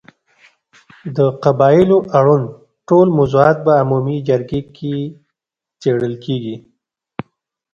د قبایلو اړوند ټول موضوعات په عمومي جرګې کې څېړل کېږي.